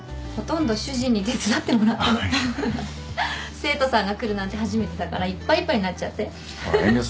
生徒さんが来るなんて初めてだからいっぱいいっぱいになっちゃって。